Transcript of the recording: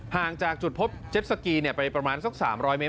ห่างจากจุดพบเจ็ดสกีไปประมาณสัก๓๐๐เมตร